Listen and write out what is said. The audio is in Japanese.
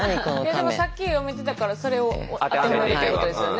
いやでもさっき読めてたからそれを当てはめていくってことですよね？